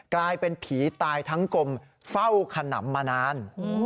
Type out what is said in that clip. กลายเป็นผีตายทั้งกลมเฝ้าขนำมานาน